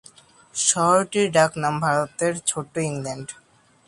শহরটির ডাক নাম "ভারতের ছোট্ট ইংল্যান্ড"।